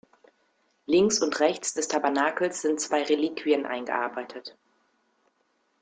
Links und rechts des Tabernakels sind zwei Reliquien eingearbeitet.